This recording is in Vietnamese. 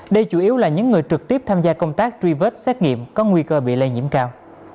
đây chủ yếu là những người trực tiếp tham gia công tác truy vết xét nghiệm có nguy cơ bị lây nhiễm cao